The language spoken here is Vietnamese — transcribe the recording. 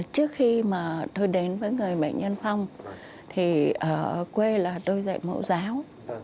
trước khi mà tôi đến với người bệnh nhân phong thì ở quê là tôi dạy mẫu giáo